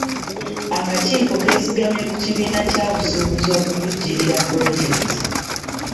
Akakiiko keesigamye ku kibiina bya busuubuzi okuvujjirira pulojekiti.